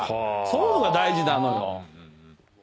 そういうのが大事なのよ。